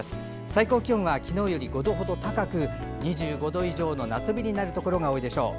最高気温は昨日より５度ほど高く２５度以上の夏日になるところが多いでしょう。